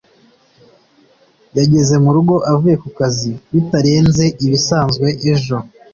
yageze murugo avuye kukazi bitarenze ibisanzwe ejo